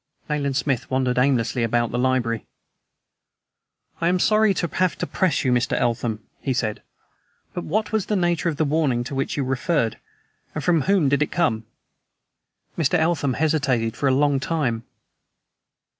Nayland Smith wandered aimlessly about the library. "I am sorry to have to press you, Mr. Eltham," he said, "but what was the nature of the warning to which you referred, and from whom did it come?" Mr. Eltham hesitated for a long time.